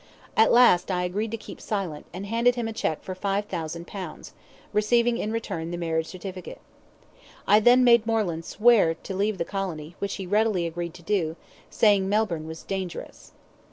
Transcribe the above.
At last I agreed to keep silent, and handed him a cheque for five thousand pounds, receiving in return the marriage certificate. I then made Moreland swear to leave the colony, which he readily agreed to do, saying Melbourne was dangerous.